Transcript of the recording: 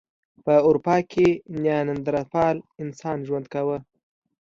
په اروپا کې نیاندرتال انسان ژوند کاوه.